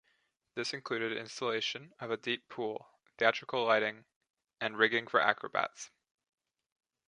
This included installation of a deep, pool, theatrical lighting and rigging for acrobats.